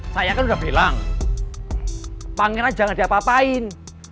saya kan udah bilang pangeran jangan diapa apain